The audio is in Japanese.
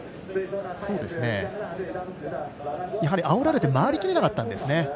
あおられて回りきれなかったんですね。